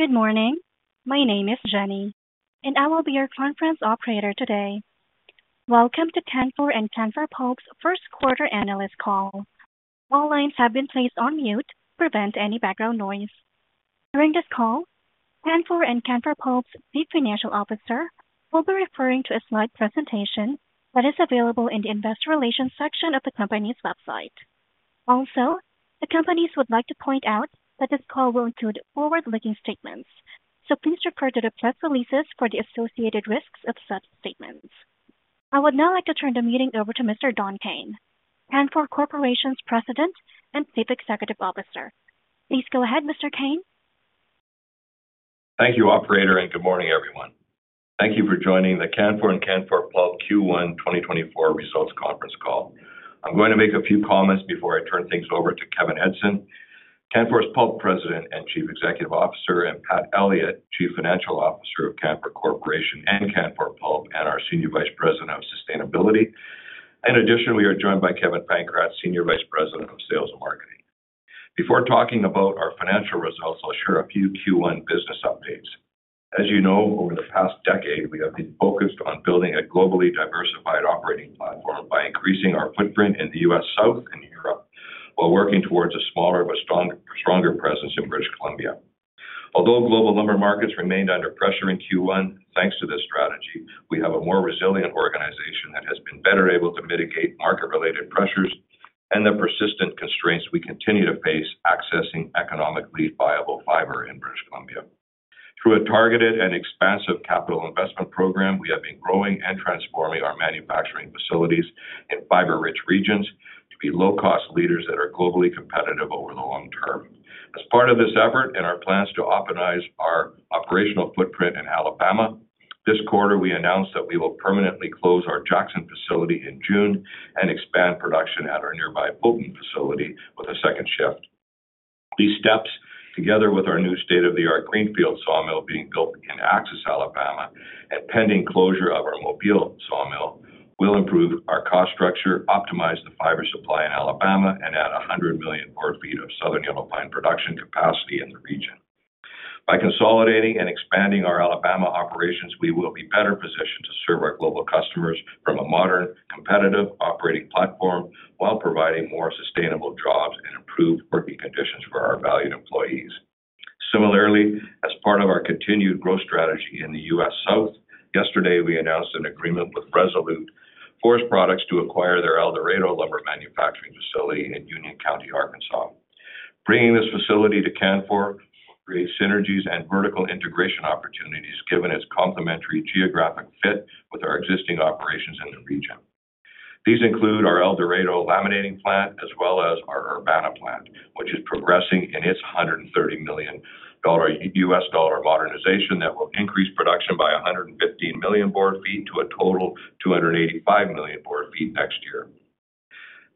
Good morning, my name is Jenny, and I will be your conference operator today. Welcome to Canfor and Canfor Pulp's Q1 analyst call. All lines have been placed on mute to prevent any background noise. During this call, Canfor and Canfor Pulp's Chief Financial Officer will be referring to a slide presentation that is available in the Investor Relations section of the company's website. Also, the companies would like to point out that this call will include forward-looking statements, so please refer to the press releases for the associated risks of such statements. I would now like to turn the meeting over to Mr. Don Kayne, Canfor Corporation's President and Chief Executive Officer. Please go ahead, Mr. Kayne. Thank you, Operator, and good morning, everyone. Thank you for joining the Canfor and Canfor Pulp Q1 2024 results conference call. I'm going to make a few comments before I turn things over to Kevin Edgson, Canfor's Pulp President and Chief Executive Officer, and Pat Elliott, Chief Financial Officer of Canfor Corporation and Canfor Pulp, and our Senior Vice President of Sustainability. In addition, we are joined by Kevin Pankratz, Senior Vice President of Sales and Marketing. Before talking about our financial results, I'll share a few Q1 business updates. As you know, over the past decade, we have been focused on building a globally diversified operating platform by increasing our footprint in the U.S. South and Europe while working towards a smaller but stronger presence in British Columbia. Although global lumber markets remained under pressure in Q1, thanks to this strategy, we have a more resilient organization that has been better able to mitigate market-related pressures and the persistent constraints we continue to face accessing economically viable fiber in British Columbia. Through a targeted and expansive capital investment program, we have been growing and transforming our manufacturing facilities in fiber-rich regions to be low-cost leaders that are globally competitive over the long term. As part of this effort and our plans to optimize our operational footprint in Alabama, this quarter we announced that we will permanently close our Jackson facility in June and expand production at our nearby Fulton facility with a second shift. These steps, together with our new state-of-the-art Greenfield sawmill being built in Axis, Alabama, and pending closure of our Mobile sawmill, will improve our cost structure, optimize the fiber supply in Alabama, and add 100 million board feet of Southern Yellow Pine production capacity in the region. By consolidating and expanding our Alabama operations, we will be better positioned to serve our global customers from a modern, competitive operating platform while providing more sustainable jobs and improved working conditions for our valued employees. Similarly, as part of our continued growth strategy in the U.S. South, yesterday we announced an agreement with Resolute Forest Products to acquire their El Dorado lumber manufacturing facility in Union County, Arkansas. Bringing this facility to Canfor will create synergies and vertical integration opportunities given its complementary geographic fit with our existing operations in the region. These include our El Dorado laminating plant as well as our Urbana plant, which is progressing in its $130 million modernization that will increase production by 115 million board feet to a total of 285 million board feet next year.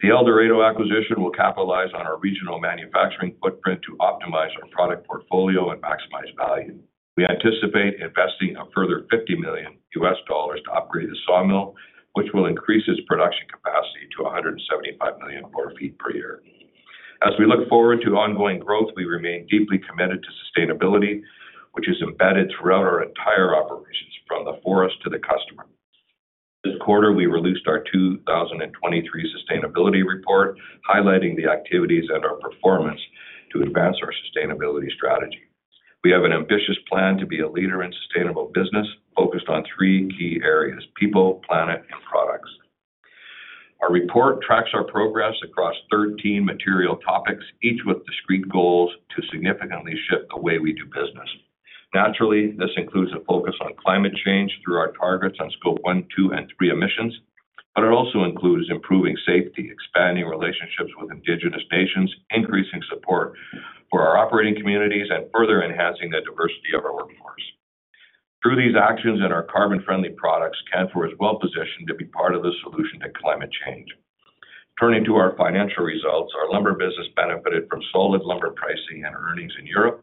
The El Dorado acquisition will capitalize on our regional manufacturing footprint to optimize our product portfolio and maximize value. We anticipate investing a further $50 million to upgrade the sawmill, which will increase its production capacity to 175 million board feet per year. As we look forward to ongoing growth, we remain deeply committed to sustainability, which is embedded throughout our entire operations, from the forest to the customer. This quarter we released our 2023 sustainability report, highlighting the activities and our performance to advance our sustainability strategy. We have an ambitious plan to be a leader in sustainable business focused on three key areas: people, planet, and products. Our report tracks our progress across 13 material topics, each with discrete goals to significantly shift the way we do business. Naturally, this includes a focus on climate change through our targets on Scope 1, 2, and 3 emissions, but it also includes improving safety, expanding relationships with Indigenous nations, increasing support for our operating communities, and further enhancing the diversity of our workforce. Through these actions and our carbon-friendly products, Canfor is well positioned to be part of the solution to climate change. Turning to our financial results, our lumber business benefited from solid lumber pricing and earnings in Europe,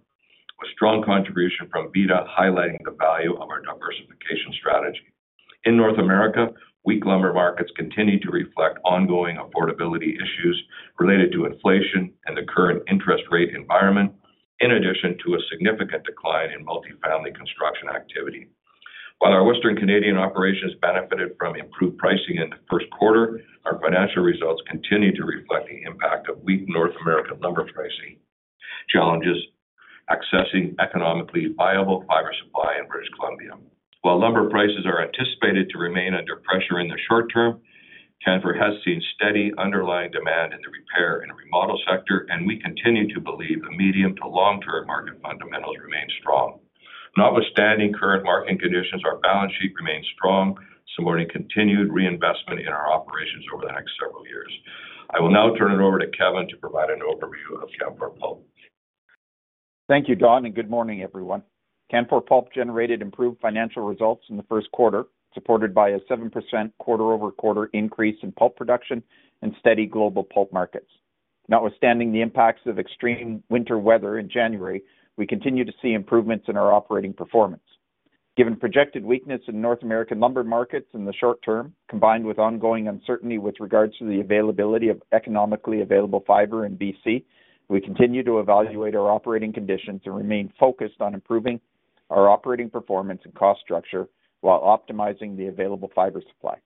with strong contribution from Vida highlighting the value of our diversification strategy. In North America, weak lumber markets continue to reflect ongoing affordability issues related to inflation and the current interest rate environment, in addition to a significant decline in multifamily construction activity. While our Western Canadian operations benefited from improved pricing in the Q1, our financial results continue to reflect the impact of weak North American lumber pricing, challenges accessing economically viable fiber supply in British Columbia. While lumber prices are anticipated to remain under pressure in the short term, Canfor has seen steady underlying demand in the repair and remodel sector, and we continue to believe the medium to long-term market fundamentals remain strong. Notwithstanding current market conditions, our balance sheet remains strong, supporting continued reinvestment in our operations over the next several years. I will now turn it over to Kevin to provide an overview of Canfor Pulp. Thank you, Don, and good morning, everyone. Canfor Pulp generated improved financial results in the Q1, supported by a 7% quarter-over-quarter increase in pulp production and steady global pulp markets. Notwithstanding the impacts of extreme winter weather in January, we continue to see improvements in our operating performance. Given projected weakness in North American lumber markets in the short term, combined with ongoing uncertainty with regards to the availability of economically available fiber in BC, we continue to evaluate our operating conditions and remain focused on improving our operating performance and cost structure while optimizing the available fiber supply.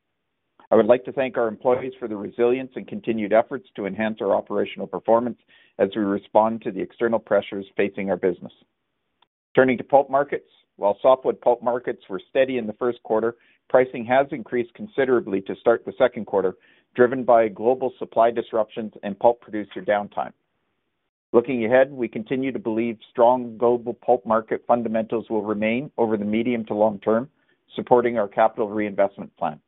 I would like to thank our employees for the resilience and continued efforts to enhance our operational performance as we respond to the external pressures facing our business. Turning to pulp markets, while softwood pulp markets were steady in the Q1, pricing has increased considerably to start the Q2, driven by global supply disruptions and pulp producer downtime. Looking ahead, we continue to believe strong global pulp market fundamentals will remain over the medium to long term, supporting our capital reinvestment plan.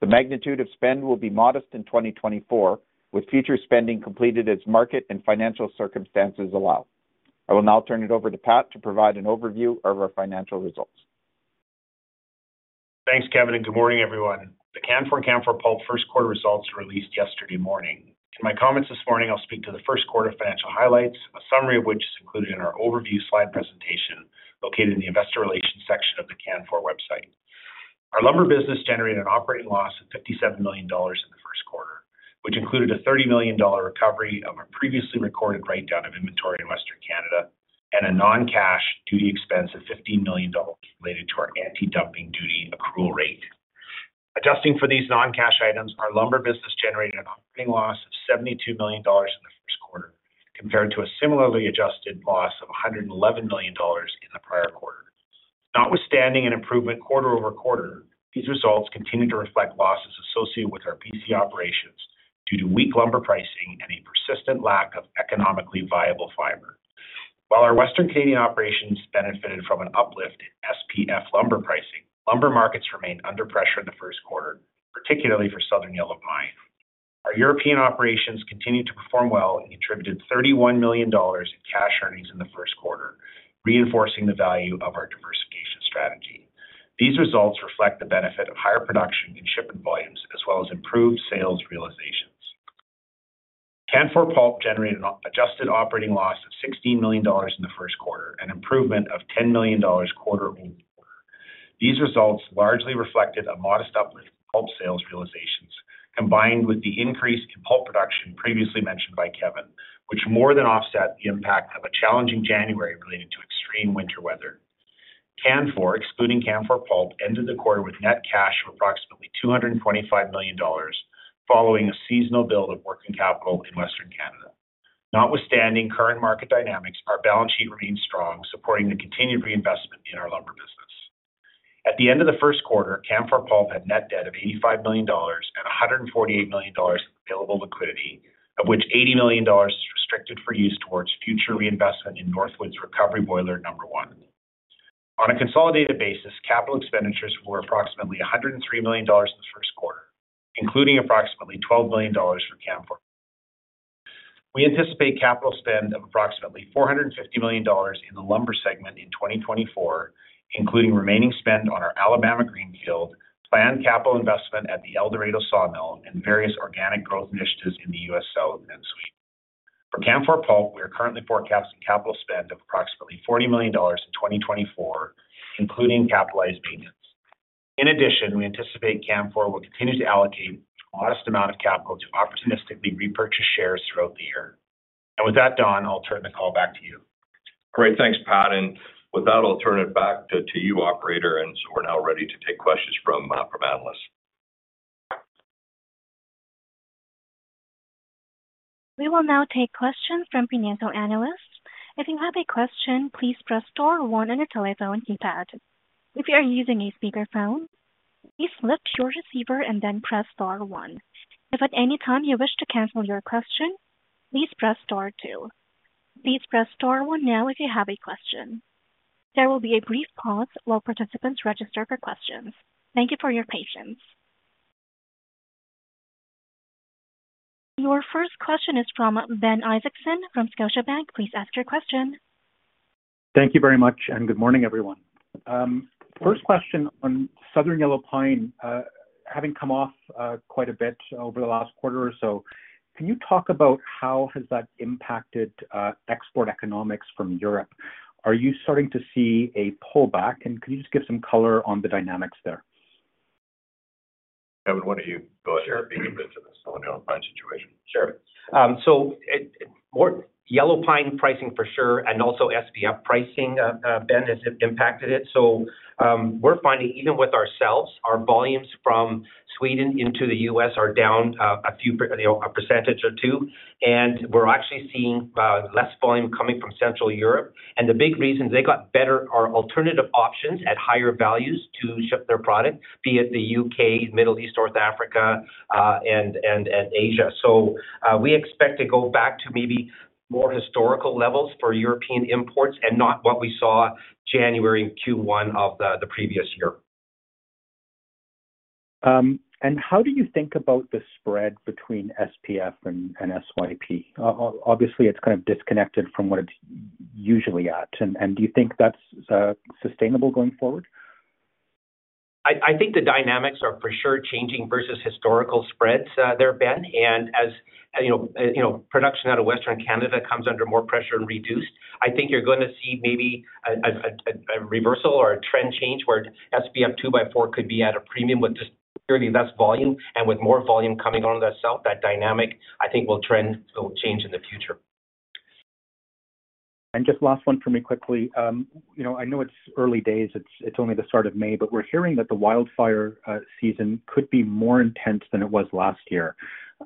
The magnitude of spend will be modest in 2024, with future spending completed as market and financial circumstances allow. I will now turn it over to Pat to provide an overview of our financial results. Thanks, Kevin, and good morning, everyone. The Canfor and Canfor Pulp Q1 results were released yesterday morning. In my comments this morning, I'll speak to the Q1 financial highlights, a summary of which is included in our overview slide presentation located in the Investor Relations section of the Canfor website. Our lumber business generated an operating loss of 57 million dollars in the Q1, which included a 30 million dollar recovery of our previously recorded write-down of inventory in Western Canada and a non-cash duty expense of 15 million dollars related to our anti-dumping duty accrual rate. Adjusting for these non-cash items, our lumber business generated an operating loss of 72 million dollars in the Q1, compared to a similarly adjusted loss of 111 million dollars in the prior quarter. Notwithstanding an improvement quarter-over-quarter, these results continue to reflect losses associated with our BC operations due to weak lumber pricing and a persistent lack of economically viable fiber. While our Western Canadian operations benefited from an uplift in SPF lumber pricing, lumber markets remained under pressure in the Q1, particularly for Southern Yellow Pine. Our European operations continued to perform well and contributed 31 million dollars in cash earnings in the Q1, reinforcing the value of our diversification strategy. These results reflect the benefit of higher production and shipment volumes as well as improved sales realizations. Canfor Pulp generated an adjusted operating loss of 16 million dollars in the Q1 and an improvement of 10 million dollars quarter-over-quarter. These results largely reflected a modest uplift in pulp sales realizations, combined with the increase in pulp production previously mentioned by Kevin, which more than offset the impact of a challenging January related to extreme winter weather. Canfor, excluding Canfor Pulp, ended the quarter with net cash of approximately 225 million dollars following a seasonal build of working capital in Western Canada. Notwithstanding current market dynamics, our balance sheet remains strong, supporting the continued reinvestment in our lumber business. At the end of the Q1, Canfor Pulp had net debt of 85 million dollars and 148 million dollars in available liquidity, of which 80 million dollars is restricted for use towards future reinvestment in Northwood Recovery Boiler No. 1. On a consolidated basis, capital expenditures were approximately 103 million dollars in the Q1, including approximately 12 million dollars for Canfor. We anticipate capital spend of approximately $450 million in the lumber segment in 2024, including remaining spend on our Alabama greenfield, planned capital investment at the El Dorado sawmill, and various organic growth initiatives in the U.S. South and Sweden. For Canfor Pulp, we are currently forecasting capital spend of approximately $40 million in 2024, including capitalized maintenance. In addition, we anticipate Canfor will continue to allocate a modest amount of capital to opportunistically repurchase shares throughout the year. And with that, Don, I'll turn the call back to you. All right, thanks, Pat. And with that, I'll turn it back to you, Operator, and so we're now ready to take questions from analysts. We will now take questions from financial analysts. If you have a question, please press star one on your telephone keypad. If you are using a speakerphone, please lift your receiver and then press star one. If at any time you wish to cancel your question, please press star two. Please press star one now if you have a question. There will be a brief pause while participants register for questions. Thank you for your patience. Your first question is from Ben Isaacson from Scotiabank. Please ask your question. Thank you very much, and good morning, everyone. First question on Southern Yellow Pine, having come off quite a bit over the last quarter or so. Can you talk about how has that impacted export economics from Europe? Are you starting to see a pullback? And can you just give some color on the dynamics there? Kevin, why don't you go ahead and begin to get into the Southern Yellow Pine situation? Sure. So yellow pine pricing for sure and also SPF pricing, Ben, has impacted it. So we're finding even with ourselves, our volumes from Sweden into the U.S. are down a percentage or two, and we're actually seeing less volume coming from Central Europe. And the big reason is they got better alternative options at higher values to ship their product, be it the U.K., Middle East, North Africa, and Asia. So we expect to go back to maybe more historical levels for European imports and not what we saw January Q1 of the previous year. How do you think about the spread between SPF and SYP? Obviously, it's kind of disconnected from what it's usually at. Do you think that's sustainable going forward? I think the dynamics are for sure changing versus historical spreads there, Ben. And as production out of Western Canada comes under more pressure and reduced, I think you're going to see maybe a reversal or a trend change where SPF 2x4 could be at a premium with just purely less volume. And with more volume coming on the south, that dynamic, I think, will change in the future. Just last one from me quickly. I know it's early days. It's only the start of May, but we're hearing that the wildfire season could be more intense than it was last year.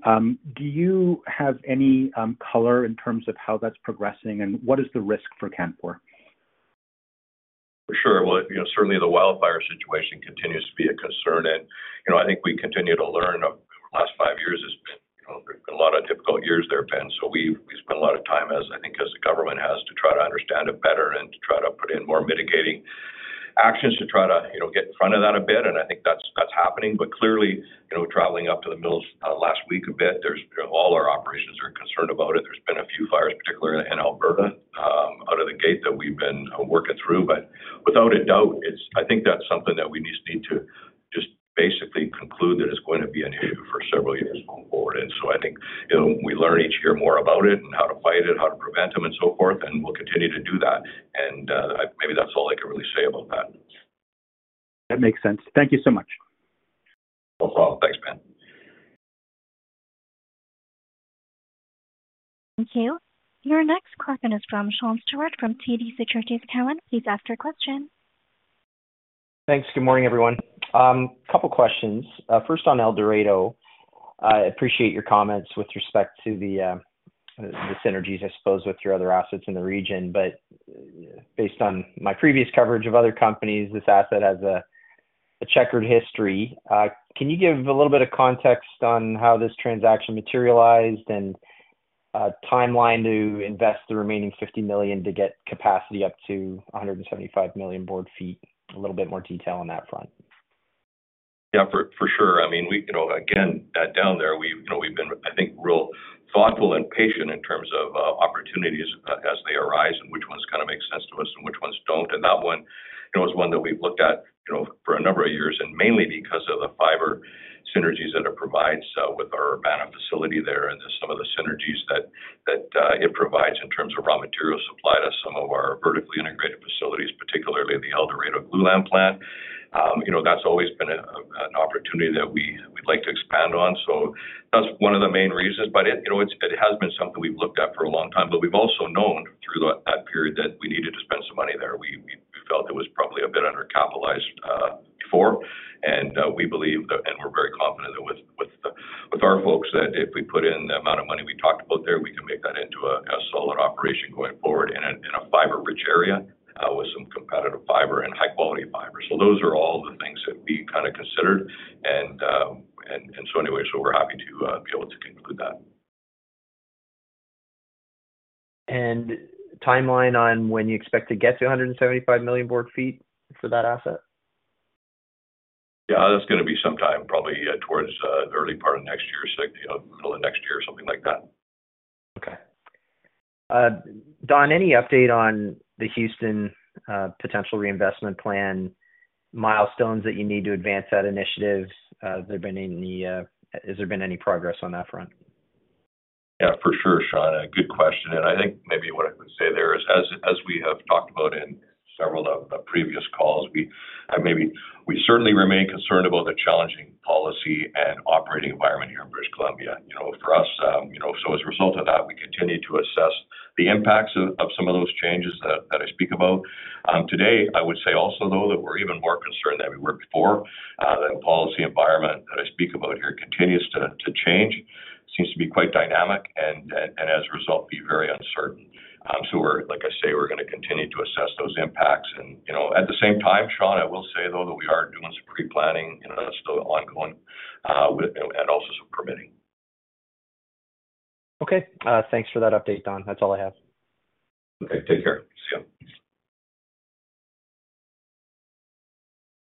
Do you have any color in terms of how that's progressing, and what is the risk for Canfor? For sure. Well, certainly the wildfire situation continues to be a concern. I think we continue to learn over the last five years. There's been a lot of difficult years there, Ben. We've spent a lot of time, I think, as the government has to try to understand it better and to try to put in more mitigating actions to try to get in front of that a bit. I think that's happening. But clearly, traveling up to the middle last week a bit, all our operations are concerned about it. There's been a few fires, particularly in Alberta, out of the gate that we've been working through. But without a doubt, I think that's something that we just need to just basically conclude that it's going to be an issue for several years going forward. I think we learn each year more about it and how to fight it, how to prevent them, and so forth. We'll continue to do that. Maybe that's all I can really say about that. That makes sense. Thank you so much. No problem. Thanks, Ben. Thank you. Your next question is from Sean Stewart from TD Securities. Kevin, please ask your question. Thanks. Good morning, everyone. A couple of questions. First, on El Dorado, I appreciate your comments with respect to the synergies, I suppose, with your other assets in the region. But based on my previous coverage of other companies, this asset has a checkered history. Can you give a little bit of context on how this transaction materialized and timeline to invest the remaining $50 million to get capacity up to 175 million board feet, a little bit more detail on that front? Yeah, for sure. I mean, again, down there, we've been, I think, real thoughtful and patient in terms of opportunities as they arise and which ones kind of make sense to us and which ones don't. And that one was one that we've looked at for a number of years, and mainly because of the fiber synergies that it provides with our Urbana facility there and some of the synergies that it provides in terms of raw material supply to some of our vertically integrated facilities, particularly the El Dorado glulam plant. That's always been an opportunity that we'd like to expand on. So that's one of the main reasons. But it has been something we've looked at for a long time. But we've also known through that period that we needed to spend some money there. We felt it was probably a bit undercapitalized before. We believe and we're very confident that with our folks, that if we put in the amount of money we talked about there, we can make that into a solid operation going forward in a fiber-rich area with some competitive fiber and high-quality fiber. Those are all the things that we kind of considered. Anyway, we're happy to be able to conclude that. Timeline on when you expect to get to 175 million board feet for that asset? Yeah, that's going to be sometime, probably towards the early part of next year, middle of next year, something like that. Okay. Don, any update on the Houston potential reinvestment plan, milestones that you need to advance that initiative? Has there been any progress on that front? Yeah, for sure, Sean. Good question. And I think maybe what I can say there is, as we have talked about in several of the previous calls, we certainly remain concerned about the challenging policy and operating environment here in British Columbia. For us, so as a result of that, we continue to assess the impacts of some of those changes that I speak about. Today, I would say also, though, that we're even more concerned than we were before, that policy environment that I speak about here continues to change, seems to be quite dynamic, and as a result, be very uncertain. So like I say, we're going to continue to assess those impacts. And at the same time, Sean, I will say, though, that we are doing some pre-planning. That's still ongoing and also some permitting. Okay. Thanks for that update, Don. That's all I have. Okay. Take care. See you.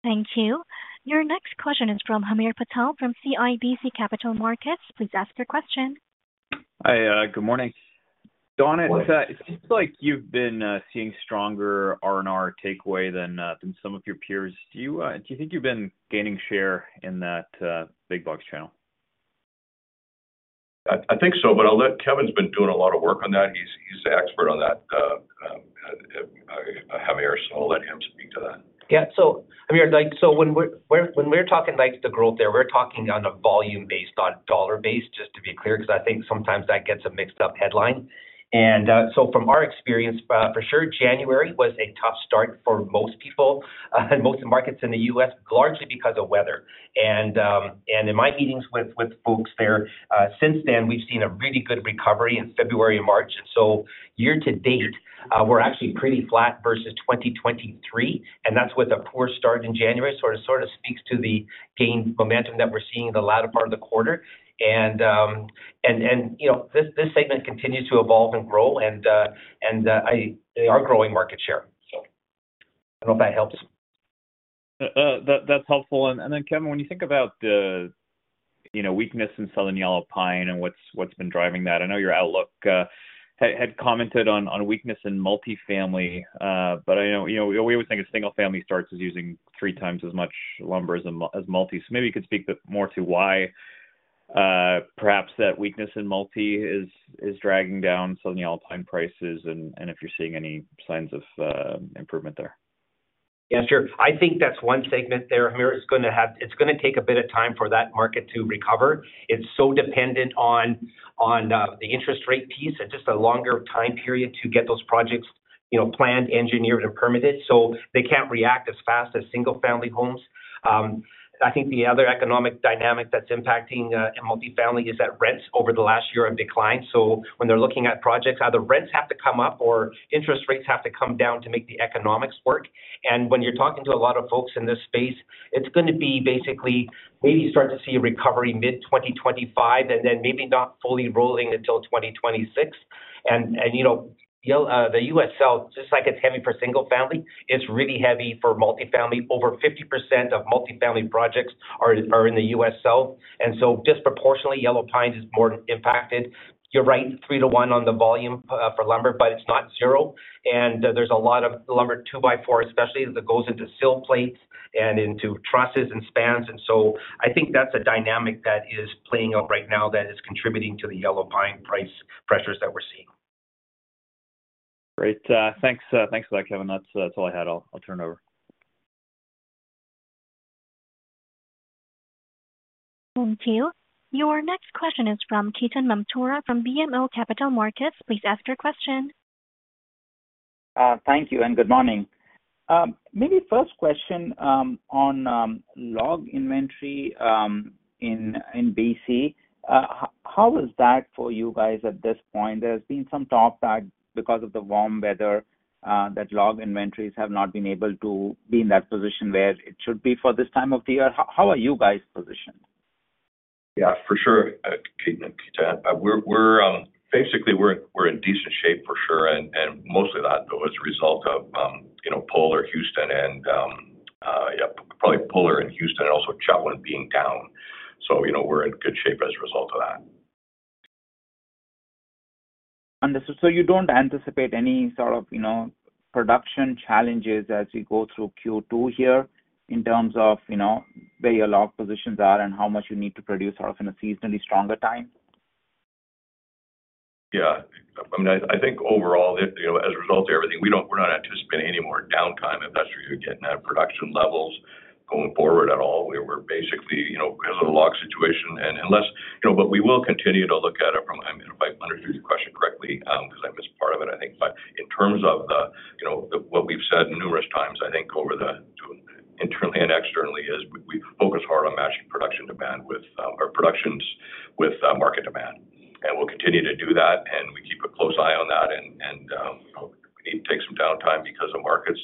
Thank you. Your next question is from Hamir Patel from CIBC Capital Markets. Please ask your question. Hi. Good morning. Don, it seems like you've been seeing stronger R&R takeaway than some of your peers. Do you think you've been gaining share in that big box channel? I think so, but Kevin's been doing a lot of work on that. He's the expert on that. Hamir, so I'll let him speak to that. Yeah. So Hamir, so when we're talking the growth there, we're talking on a volume-based, on dollar-based, just to be clear, because I think sometimes that gets a mixed-up headline. And so from our experience, for sure, January was a tough start for most people in most markets in the U.S., largely because of weather. And in my meetings with folks there, since then, we've seen a really good recovery in February and March. And so year to date, we're actually pretty flat versus 2023. And that's with a poor start in January, so it sort of speaks to the gained momentum that we're seeing in the latter part of the quarter. And this segment continues to evolve and grow, and they are growing market share, so. I don't know if that helps. That's helpful. And then, Kevin, when you think about the weakness in Southern Yellow Pine and what's been driving that, I know your outlook had commented on weakness in multifamily, but we always think a single-family starts using three times as much lumber as multi. So maybe you could speak more to why perhaps that weakness in multi is dragging down Southern Yellow Pine prices and if you're seeing any signs of improvement there? Yeah, sure. I think that's one segment there. Hamir, it's going to take a bit of time for that market to recover. It's so dependent on the interest rate piece and just a longer time period to get those projects planned, engineered, and permitted. So they can't react as fast as single-family homes. I think the other economic dynamic that's impacting multifamily is that rents over the last year have declined. So when they're looking at projects, either rents have to come up or interest rates have to come down to make the economics work. And when you're talking to a lot of folks in this space, it's going to be basically maybe start to see a recovery mid-2025 and then maybe not fully rolling until 2026. And the U.S. South, just like it's heavy for single-family, it's really heavy for multifamily. Over 50% of multifamily projects are in the U.S. South. And so disproportionately, yellow pine is more impacted. You're right, 3-to-1 on the volume for lumber, but it's not zero. And there's a lot of lumber 2x4, especially that goes into sill plates and into trusses and spans. And so I think that's a dynamic that is playing out right now that is contributing to the yellow pine price pressures that we're seeing. Great. Thanks for that, Kevin. That's all I had. I'll turn it over. Thank you. Your next question is from Ketan Mamtora from BMO Capital Markets. Please ask your question. Thank you and good morning. Maybe first question on log inventory in BC. How is that for you guys at this point? There has been some talk that because of the warm weather, that log inventories have not been able to be in that position where it should be for this time of the year. How are you guys positioned? Yeah, for sure, Ketan. Basically, we're in decent shape, for sure, and mostly that was a result of Polar, Houston, and probably Polar in Houston and also Chetwynd being down. So we're in good shape as a result of that. You don't anticipate any sort of production challenges as we go through Q2 here in terms of where your log positions are and how much you need to produce sort of in a seasonally stronger time? Yeah. I mean, I think overall, as a result of everything, we're not anticipating any more downtime, if that's where you're getting at production levels going forward at all. We're basically in a little log situation. But we will continue to look at it from. I mean, if I understood your question correctly, because I missed part of it, I think. But in terms of what we've said numerous times, I think internally and externally is we focus hard on matching production demand with our productions with market demand. And we'll continue to do that, and we keep a close eye on that. And we need to take some downtime because of markets.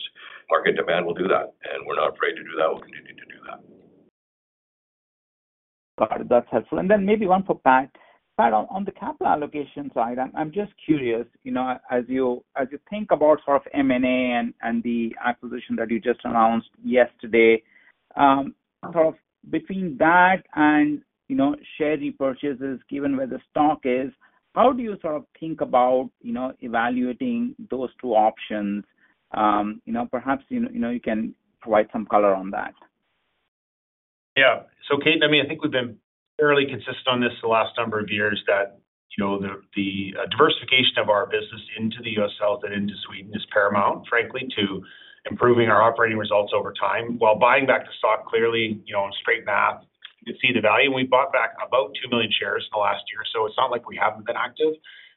Market demand will do that, and we're not afraid to do that. We'll continue to do that. Got it. That's helpful. And then maybe one for Pat. Pat, on the capital allocation side, I'm just curious, as you think about sort of M&A and the acquisition that you just announced yesterday, sort of between that and share repurchases, given where the stock is, how do you sort of think about evaluating those two options? Perhaps you can provide some color on that. Yeah. So Ketan, I mean, I think we've been fairly consistent on this the last number of years that the diversification of our business into the U.S. South and into Sweden is paramount, frankly, to improving our operating results over time. While buying back the stock, clearly, in straight math, you can see the value. And we bought back about 2 million shares in the last year. So it's not like we haven't been active.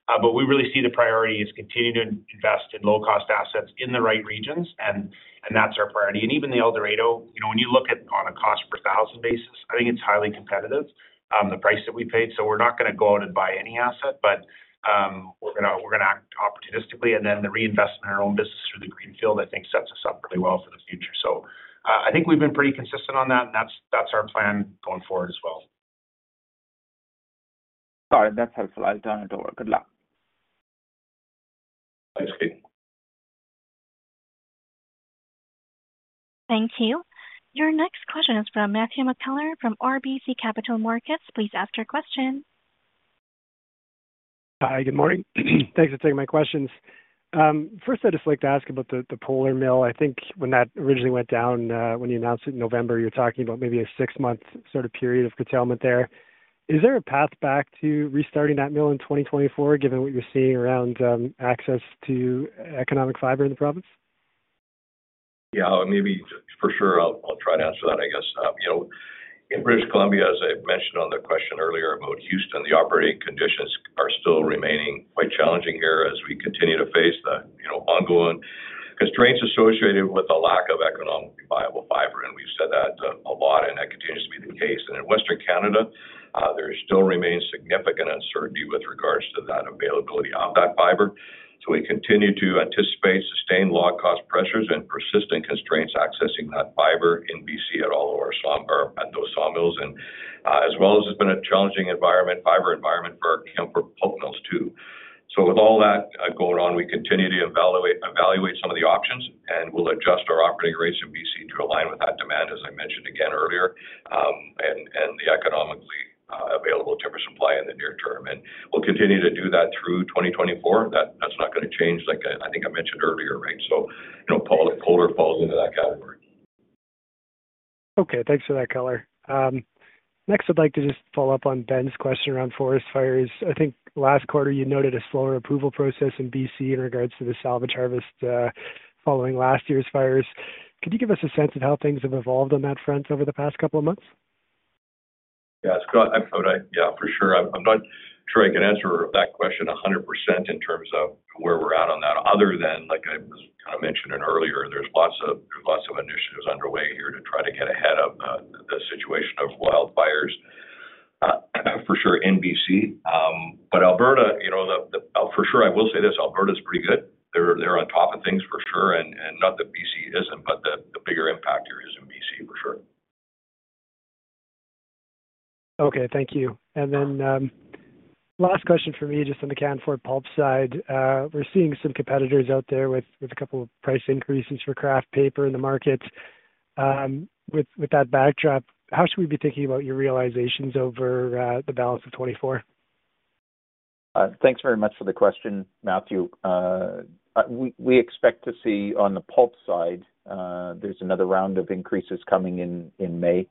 But we really see the priority is continuing to invest in low-cost assets in the right regions, and that's our priority. And even the El Dorado, when you look at on a cost per thousand basis, I think it's highly competitive, the price that we paid. So we're not going to go out and buy any asset, but we're going to act opportunistically. Then the reinvestment in our own business through the greenfield, I think, sets us up really well for the future. I think we've been pretty consistent on that, and that's our plan going forward as well. All right. That's helpful. I'll turn it over. Good luck. Thanks, Ketan. Thank you. Your next question is from Matth McCullough from RBC Capital Markets. Please ask your question. Hi. Good morning. Thanks for taking my questions. First, I'd just like to ask about the Polar mill. I think when that originally went down, when you announced it in November, you were talking about maybe a six-month sort of period of curtailment there. Is there a path back to restarting that mill in 2024, given what you're seeing around access to economic fiber in the province? Yeah. Maybe for sure, I'll try to answer that, I guess. In British Columbia, as I mentioned on the question earlier about Houston, the operating conditions are still remaining quite challenging here as we continue to face the ongoing constraints associated with the lack of economically viable fiber. We've said that a lot, and that continues to be the case. In Western Canada, there still remains significant uncertainty with regards to that availability of that fiber. So we continue to anticipate sustained low-cost pressures and persistent constraints accessing that fiber in BC at all of our sawmills, as well as it's been a challenging fiber environment for our Canfor pulp mills, too. So with all that going on, we continue to evaluate some of the options, and we'll adjust our operating rates in BC to align with that demand, as I mentioned again earlier, and the economically available timber supply in the near term. We'll continue to do that through 2024. That's not going to change, like I think I mentioned earlier, right? So Polar falls into that category. Okay. Thanks for that, McCullough. Next, I'd like to just follow up on Ben's question around forest fires. I think last quarter, you noted a slower approval process in BC in regards to the salvage harvest following last year's fires. Could you give us a sense of how things have evolved on that front over the past couple of months? Yeah, that's good. Yeah, for sure. I'm not sure I can answer that question 100% in terms of where we're at on that, other than, like I was kind of mentioning earlier, there's lots of initiatives underway here to try to get ahead of the situation of wildfires, for sure, in BC. But Alberta, for sure, I will say this. Alberta's pretty good. They're on top of things, for sure, and not that BC isn't, but the bigger impact here is in BC, for sure. Okay. Thank you. And then last question for me, just on the Canfor Pulp side. We're seeing some competitors out there with a couple of price increases for kraft paper in the markets. With that backdrop, how should we be thinking about your realizations over the balance of 2024? Thanks very much for the question, Matthew. We expect to see on the pulp side, there's another round of increases coming in May.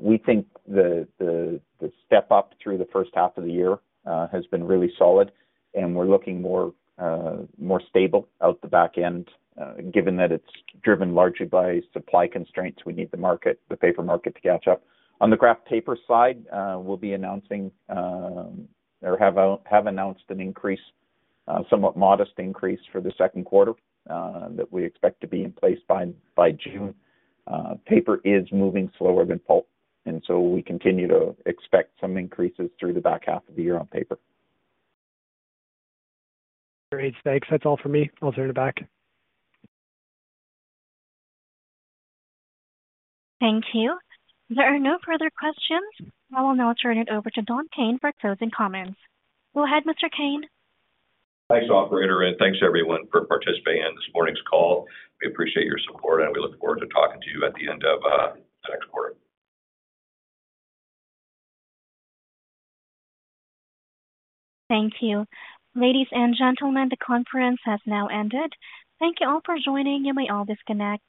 We think the step-up through the first half of the year has been really solid, and we're looking more stable out the back end, given that it's driven largely by supply constraints. We need the paper market to catch up. On the kraft paper side, we'll be announcing or have announced an increase, a somewhat modest increase for the Q2 that we expect to be in place by June. Paper is moving slower than pulp, and so we continue to expect some increases through the back half of the year on paper. Great. Thanks. That's all for me. I'll turn it back. Thank you. There are no further questions. I will now turn it over to Don Kayne for closing comments. Go ahead, Mr. Kayne. Thanks, operator, and thanks, everyone, for participating in this morning's call. We appreciate your support, and we look forward to talking to you at the end of the next quarter. Thank you. Ladies and gentlemen, the conference has now ended. Thank you all for joining. You may all disconnect.